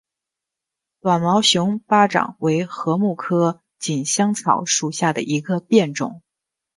短毛熊巴掌为禾本科锦香草属下的一个变种。